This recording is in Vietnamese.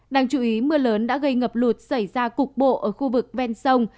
đáng chú ý mưa lớn đã gây ngập lụt xảy ra cục bộ ở khu vực ven sông